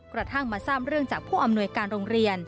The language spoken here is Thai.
กระทั่งมาทราบเรื่องจากผู้อำนวยการโรงเรียน